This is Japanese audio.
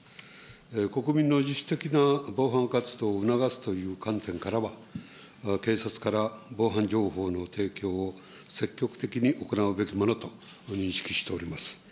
国民の自主的な防犯活動を促すという観点からは、警察から防犯情報の提供を積極的に行うべきものと認識しております。